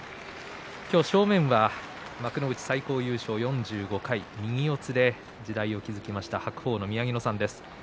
今日、正面は幕内最高優勝４５回右四つで時代を築きました白鵬の宮城野さんです。